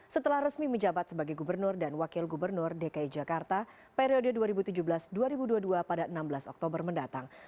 setelah resmi menjabat sebagai gubernur dan wakil gubernur dki jakarta periode dua ribu tujuh belas dua ribu dua puluh dua pada enam belas oktober mendatang